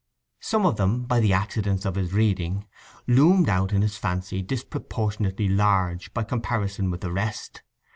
Some of them, by the accidents of his reading, loomed out in his fancy disproportionately large by comparison with the rest.